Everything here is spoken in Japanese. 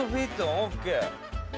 ＯＫ！